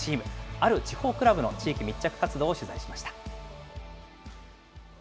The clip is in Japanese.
ある地方クラブの地域密着活動を取材しました。